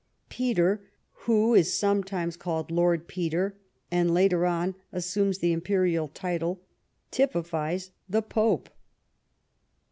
Peter, who is some times called Lord Peter, and later on assumes the imperial title, typifies the Pope.